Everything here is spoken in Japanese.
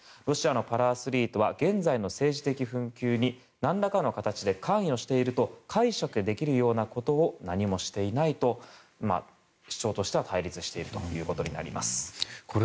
ロシアのパラアスリートは現在の政治的紛糾に何らかの形で関与していると解釈できるようなことを何もしていないと主張としては対立していることになります。